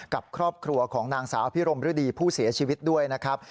กับครอบครัวของนางสาวพิรมฤดีผู้เสียชีวิตด้วยนะครับ